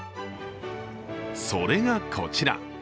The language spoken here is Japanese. それがこちら。